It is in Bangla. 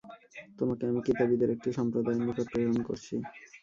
তোমাকে আমি কিতাবীদের একটি সম্প্রদায়ের নিকট প্রেরণ করছি।